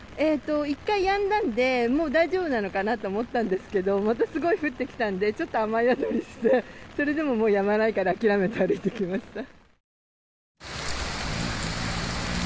１回やんだので大丈夫かと思ったんですけどまたすごい降ってきたんでちょっと雨宿りしてそれでもやまないから諦めて歩いてきました。